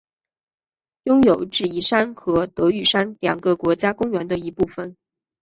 拥有智异山和德裕山两个国家公园的一部份。